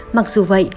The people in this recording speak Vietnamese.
mặc dù vậy